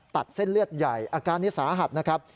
ตัดเส้นเลือดใหญ่อาการนี้สาหัสนะครับ